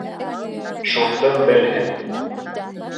Шуртым белһен.